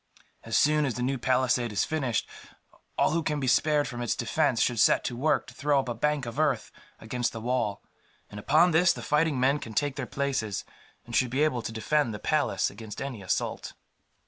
"As soon as the new palisade is finished, all who can be spared from its defence should set to work to throw up a bank of earth against the wall; and upon this the fighting men can take their places, and should be able to defend the palace against any assault."